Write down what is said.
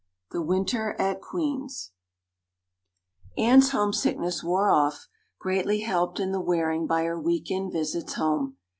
The Winter at Queen's ANNE'S homesickness wore off, greatly helped in the wearing by her weekend visits home.